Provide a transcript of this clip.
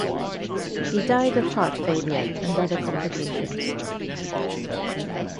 He died of heart failure and other complications.